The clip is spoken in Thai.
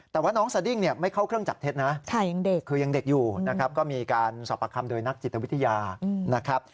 แต่ว่าน้องสดิ้งเนี่ยไม่เข้าเครื่องจับเท็จนะคือยังเด็กอยู่นะครับก็มีการสอบประคำโดยนักจิตวิทยานะครับ